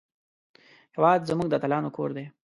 هېواد زموږ د اتلانو کور دی